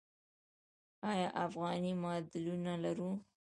آیا افغاني ماډلونه لرو؟